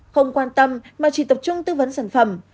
không quan tâm mà chỉ tập trung tư vấn sản phẩm